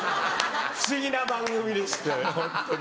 不思議な番組でしてホントに。